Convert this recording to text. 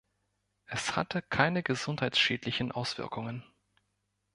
Es hatte keine gesundheitsschädlichen Auswirkungen.